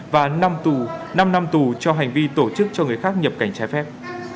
và năm năm thủ cho hành vi tổ chức cho người khác nhập cảnh trái phép